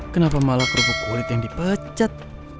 kenapa malah kerupuk kulit yang dipecat